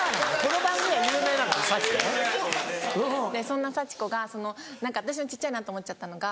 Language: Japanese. そんなサチコが私が小っちゃいなと思っちゃったのが。